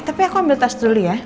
tapi aku ambil tas dulu ya